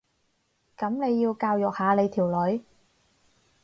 噉你要教育下你條女